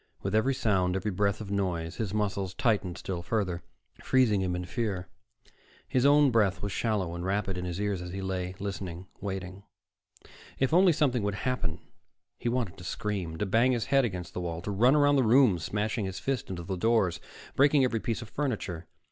With every sound, every breath of noise, his muscles tightened still further, freezing him in fear. His own breath was shallow and rapid in his ears as he lay, listening, waiting. If only something would happen! He wanted to scream, to bang his head against the wall, to run about the room smashing his fist into doors, breaking every piece of furniture.